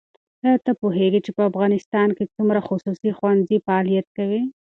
ایا ته پوهېږې چې په افغانستان کې څومره خصوصي ښوونځي فعالیت کوي؟